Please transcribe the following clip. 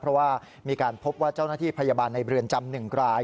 เพราะว่ามีการพบว่าเจ้าหน้าที่พยาบาลในเรือนจำ๑ราย